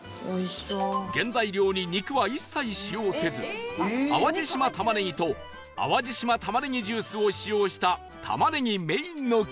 原材料に肉は一切使用せず淡路島玉ねぎと淡路島玉ねぎジュースを使用した玉ねぎメインのカレーは